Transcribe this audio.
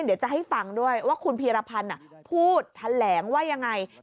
เดี๋ยวจะให้ฟังด้วยว่าคุณพีรพันธ์พูดแถลงว่ายังไง